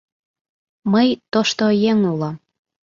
Мый тошто еҥ улам.